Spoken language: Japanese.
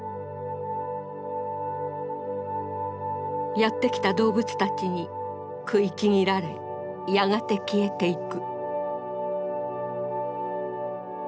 やって来た動物たちに食いちぎられやがて消えていく。